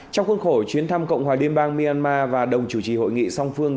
trong khuôn khổ chuyến thăm cộng hòa liên bang myanmar và đồng chủ trì hội nghị song phương